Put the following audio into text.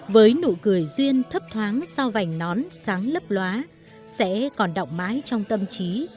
với nụ cười duyên thấp thoáng sau vành nón sáng lấp loá sẽ còn động mãi trong tâm trí